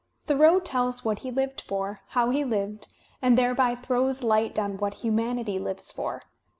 Thoreau tells what he lived for, how he lived, and thereby throws light on what humanity lives for.